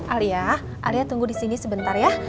alia alia tunggu disini sebentar ya